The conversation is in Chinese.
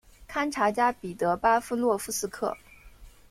堪察加彼得巴夫洛夫斯克。